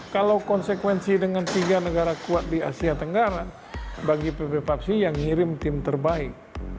kalau konsekuensi dengan tiga negara kuat di asia tenggara bagi pb faksi yang ngirim tim terbaik